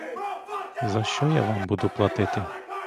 За що я вам буду платити?